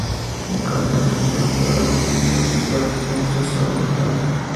Un camino recorre toda la longitud del parque con un trazado ondulante.